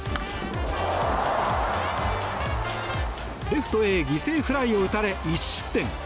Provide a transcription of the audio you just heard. レフトへ犠牲フライを打たれ１失点。